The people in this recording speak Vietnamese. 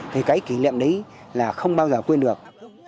thì cái kỷ niệm đấy là không bao giờ quên được